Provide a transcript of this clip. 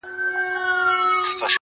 • ګیدړ هم له خوشالیه کړې نڅاوي -